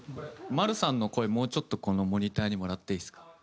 丸さんの声もうちょっとこのモニターにもらっていいですか？